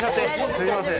すいません。